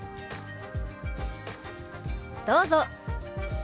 どうぞ。